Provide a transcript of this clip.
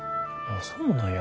そうなんや。